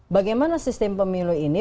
bagaimana sistem pemilu ini